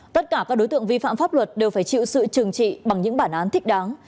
tất cả các đối tượng vi phạm pháp luật đều phải chịu sự trừng trị bằng những bản án thích đáng